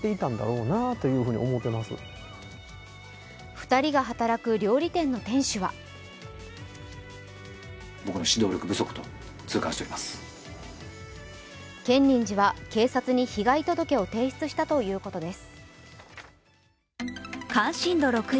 ２人が働く料理店の店主は建仁寺は警察に被害届を提出したということです。